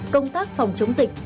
công tác phòng chống dịch